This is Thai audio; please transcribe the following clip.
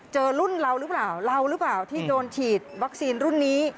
รุ่นเราหรือเปล่าเราหรือเปล่าที่โดนฉีดวัคซีนรุ่นนี้